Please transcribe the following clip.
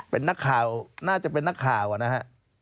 เป็นนักข่าวน่าจะเป็นนักข่าวนะฮะ